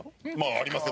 ありますよ。